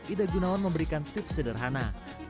idagunawan memberikan tips sederhana